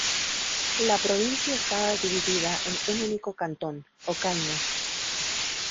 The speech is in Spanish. La provincia estaba dividida en un único cantón: Ocaña.